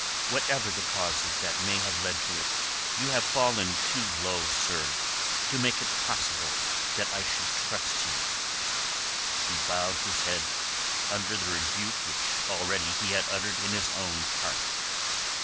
Whatever the causes that may have led to it, you have fallen too low, sir, to make it possible that I should trust you." He bowed his head under the rebuke which already he had uttered in his own heart.